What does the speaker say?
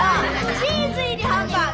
チーズ入りハンバーグ！